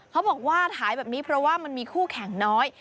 เขาบอกว่าถ่ายแบบนี้เพราะว่ามันมีคู่แข่งน้อย